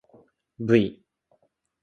ｖ